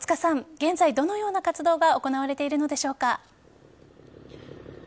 現在、どのような活動が行われているのでしょうか？